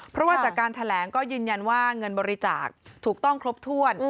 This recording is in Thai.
เพราะว่าจากการแถลงก็ยืนยันว่าเงินบริจาคถูกต้องครบถ้วน